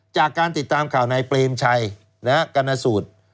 จากการติดตามข่าวนายเปรมชัยกรณสูตร